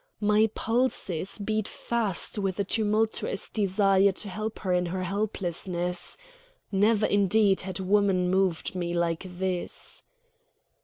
My pulses beat fast with a tumultuous desire to help her in her helplessness. Never, indeed, had woman moved me like this.